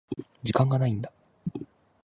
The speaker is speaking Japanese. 時間がないんだ。